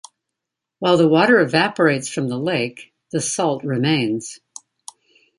While the water evaporates from the lake, the salt remains.